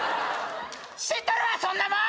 知っとるわそんなもん！